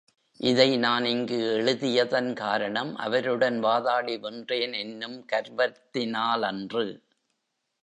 இதை நான் இங்கு எழுதியதன் காரணம், அவருடன் வாதாடி வென்றேன் என்னும் கர்வத்தினாலன்று.